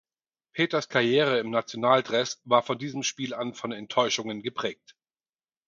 Peters Karriere im Nationaldress war von diesem Spiel an von Enttäuschungen geprägt.